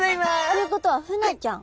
ということはフナちゃん。